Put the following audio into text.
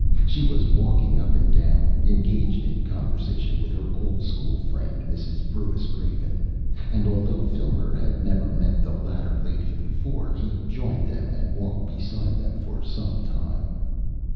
She was walking up and down, engaged in conversation with her old school friend, Mrs. Brewis Craven, and although Filmer had never met the latter lady before, he joined them and walked beside them for some time.